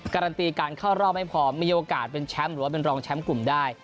การันตีการเข้ารอบไม่พอมีโอกาสเป็นแชมป์หรือว่าเป็นรองแชมป์กลุ่มได้